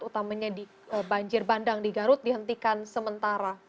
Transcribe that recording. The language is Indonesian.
utamanya di banjir bandang di garut dihentikan sementara